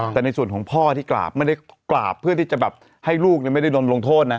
แต่ในส่วนของพ่อที่กราบไม่ได้กราบเพื่อที่จะแบบให้ลูกไม่ได้โดนลงโทษนะ